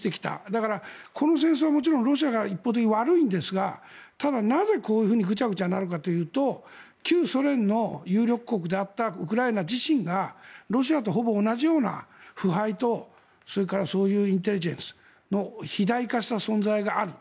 だから、この戦争はもちろんロシアが一方的に悪いんですがただ、なぜこういうふうにグチャグチャなるかというと旧ソ連の有力国だったウクライナ自身がロシアとほぼ同じような腐敗とそれからそういうインテリジェンスの肥大化した存在がある。